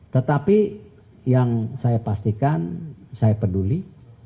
tetapi yang saya pastikan saya peduli